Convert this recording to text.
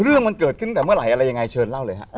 เรื่องมันเกิดขึ้นตั้งแต่เมื่อไหร่อะไรยังไงเชิญเล่าเลยฮะ